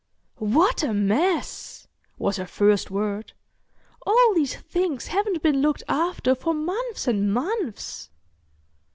"What a mess!" was her first word. "All these things haven't been looked after for months and months."